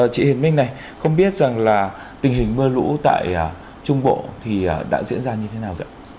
chị hiền minh này không biết rằng là tình hình mưa lũ tại trung bộ thì đã diễn ra như thế nào rồi ạ